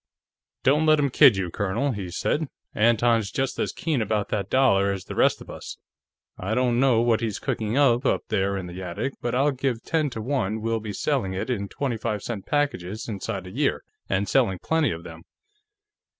"Don't let him kid you, Colonel," he said. "Anton's just as keen about that dollar as the rest of us. I don't know what he's cooking up, up there in the attic, but I'll give ten to one we'll be selling it in twenty five cent packages inside a year, and selling plenty of them....